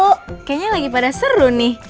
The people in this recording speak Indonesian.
oh kayaknya lagi pada seru nih